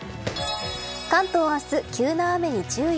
関東明日、急な雨に注意。